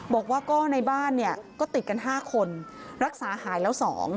บอกว่าก็ในบ้านเนี่ยก็ติดกัน๕คนรักษาหายแล้ว๒